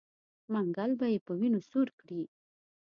منګل به یې په وینو سور کړي.